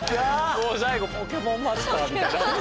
もう最後ポケモンマスターみたいな。